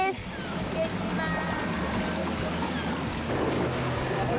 行ってきます。